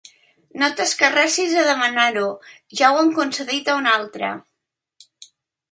No t'escarrassis a demanar-ho: ja ho han concedit a un altre.